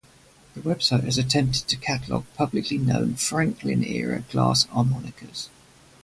A website has attempted to catalog publicly known Franklin-era glass armonicas.